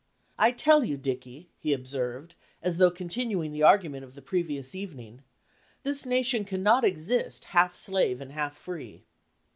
"I tell you, Dickey," he observed, as though continuing the argument of the previous evening, "this nation cannot exist half slave and half free."